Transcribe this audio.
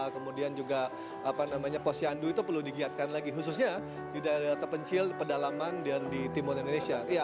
kemudian juga posyandu itu perlu digiatkan lagi khususnya di daerah terpencil pedalaman dan di timur indonesia